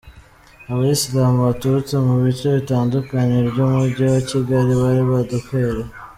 Abayisilamu baturutse mu bice bitandukanye by'umujyi wa Kigali bari babukereye.